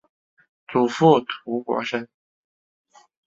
祖父涂国升。